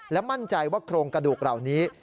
และมั่นใจว่าโครงกระดูกเหล่านี้